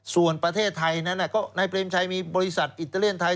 ส่วนประเทศไทยนั้นก็นายเปรมชัยมีบริษัทอิตาเลียนไทย